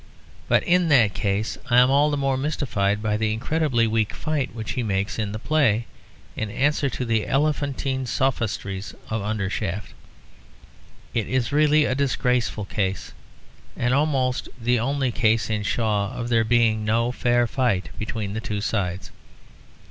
But in that case I am all the more mystified by the incredibly weak fight which he makes in the play in answer to the elephantine sophistries of Undershaft. It is really a disgraceful case, and almost the only case in Shaw of there being no fair fight between the two sides.